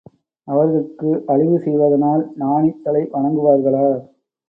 அவர்கட்கு அழிவு செய்வதனால் நாணித் தலை வணங்குவார்களா?